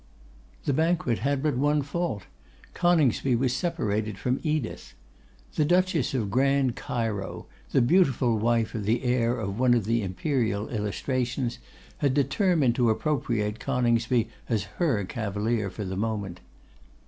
The banquet had but one fault; Coningsby was separated from Edith. The Duchess of Grand Cairo, the beautiful wife of the heir of one of the Imperial illustrations, had determined to appropriate Coningsby as her cavalier for the moment.